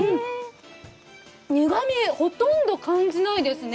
苦み、ほとんど感じないですね。